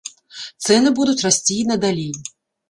Цэны будуць расці і надалей.